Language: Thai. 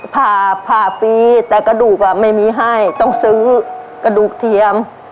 ผ่าผ่าฟรีแต่กระดูกไม่มีให้ต้องซื้อกระดูกเทียม